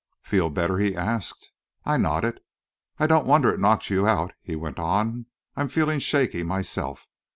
"Feel better?" he asked. I nodded. "I don't wonder it knocked you out," he went on. "I'm feeling shaky myself.